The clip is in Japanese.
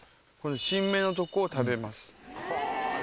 新芽のとこを食べます。